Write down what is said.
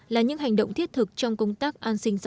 là những hành động thiết thực trong công tác an sinh